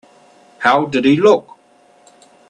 How did he look?